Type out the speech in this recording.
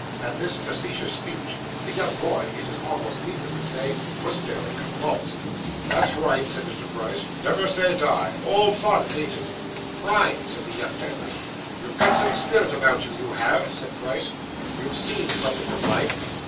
At this facetious speech, the young boy, it is almost needless to say, was fairly convulsed. 'That's right,' said Mr. Price. 'Never say die. All fun, ain't it?' 'Prime!' said the young gentleman. 'You've got some spirit about you, you have,' said Price. 'You've seen something of life.